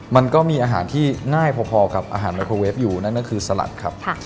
มันก็มีอาหารที่ง่ายพอกับอาหารไมโครเวฟอยู่นั่นก็คือสลัดครับ